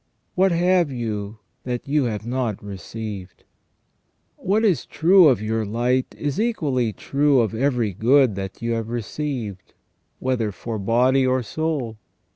What have you that you have not received ?"* What is true of your light is equally true of every good that you have received, whether for body or soul.